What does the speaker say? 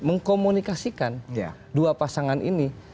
mengkomunikasikan dua pasangan ini